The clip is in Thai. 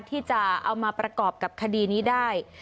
ที่จะเอามาประกอบกับคดีนี้ได้